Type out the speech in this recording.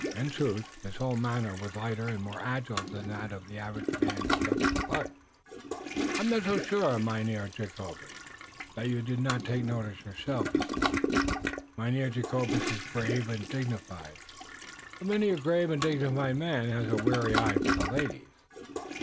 In truth, his whole manner was lighter and more agile than that of the average man of Dutch blood. "I am not so sure, Mynheer Jacobus, that you did not take notice yourself," he said. "Mynheer Jacobus is grave and dignified, but many a grave and dignified man has a wary eye for the ladies."